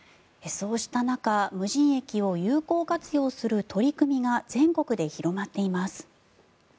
そうした中無人駅を有効活用する取り組みが全国で広がっています。